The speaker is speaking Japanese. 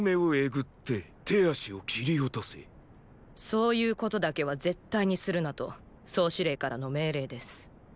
そういうことだけは絶対にするなと総司令からの命令です。